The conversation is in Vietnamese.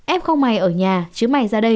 em không mày ở nhà chứ mày ra đây